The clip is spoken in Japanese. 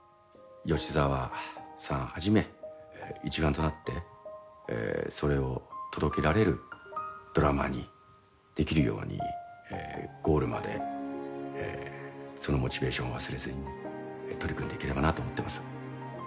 吉沢さんはじめ一丸となってそれを届けられるドラマにできるようにゴールまでそのモチベーションを忘れずに取り組んでいければなと思ってます。